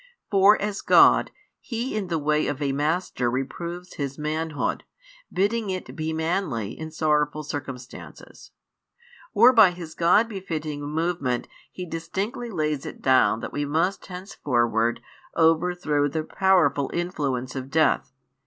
For, as God, He in the way of a master reproves His Manhood, bidding it be manly in sorrowful circumstances; or by His God befitting movement He distinctly lays it down that we must hence forward overthrow the powerful influence of death.